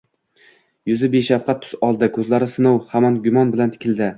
Yuzi beshafqat tus oldi. Ko‘zlari sinov ham gumon bilan tikildi.